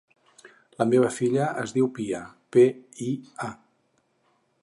La meva filla es diu Pia: pe, i, a.